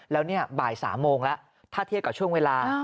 แล้วเนี่ยบ่าย๓โมงแล้วถ้าเทียบกับช่วงเวลา